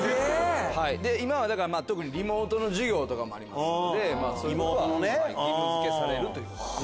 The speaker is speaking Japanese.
今は特にリモートの授業とかもありますので義務付けされるということです。